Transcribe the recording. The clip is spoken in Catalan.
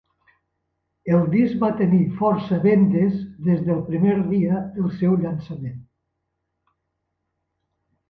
El disc va tenir força vendes des del primer dia del seu llançament.